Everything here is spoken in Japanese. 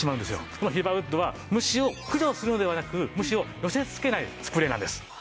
このヒバウッドは虫を駆除するのではなく虫を寄せ付けないスプレーなんです。